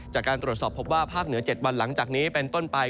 จากการตรวจสอบพบว่าภาคเหนือ๗วันหลังจากนี้เป็นต้นไป